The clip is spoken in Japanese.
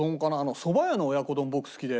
そば屋の親子丼僕好きで。